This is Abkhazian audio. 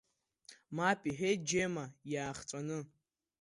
Мап, — иҳәеит Џьема, иаахҵәаны.